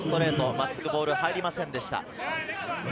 真っすぐボールが入りませんでした。